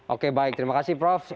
oke baik terima kasih prof